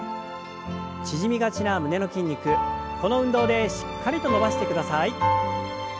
縮みがちな胸の筋肉この運動でしっかりと伸ばしてください。